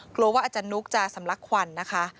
กลัวว่าอาจารย์นุ๊กจะสำลักควันนะคะ